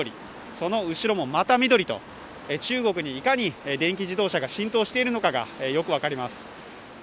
その後ろとまた緑と中国にいかに電気自動車が浸透しているのかがよく分かります。